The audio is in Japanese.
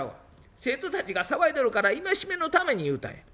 生徒たちが騒いでるから戒めのために言うたんや。